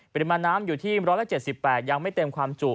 ปริมาณน้ำอยู่ที่๑๗๘ยังไม่เต็มความจุ